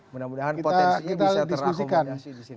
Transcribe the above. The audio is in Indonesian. mudah mudahan potensinya bisa terakomodasi disini